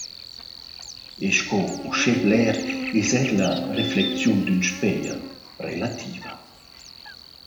E sco uschè bler, es eir la reflecziun d’ün spejel relativa.